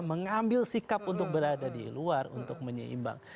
mengambil sikap untuk berada di luar untuk menyeimbang